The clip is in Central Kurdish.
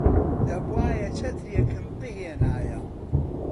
دەبوایە چەترێکم بهێنایە.